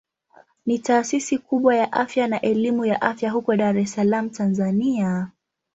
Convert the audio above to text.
Ni taasisi kubwa ya afya na elimu ya afya huko Dar es Salaam Tanzania.